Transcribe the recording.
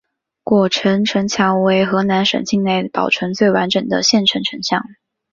襄城城墙为河南省境内保存最完整的县城城墙。